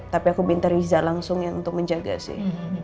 tapi aku minta riza langsung ya untuk menjaga sih